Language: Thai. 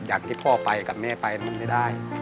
จากที่พ่อไปกับแม่ไปมันไม่ได้